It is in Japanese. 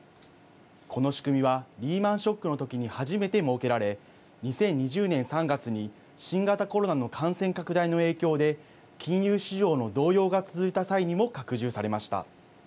この仕組みはリーマンショックのときに初めて設けられ２０２０年３月に新型コロナの感染拡大の影響で金融市場の動揺が続いた際にも拡充されました。